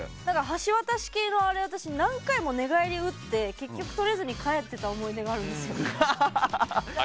橋渡し系のあれ何回も寝返り打って結局、取れずに帰ってた思い出があるんですよ。